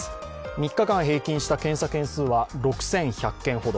３日間平均した検査件数は６１００件ほど。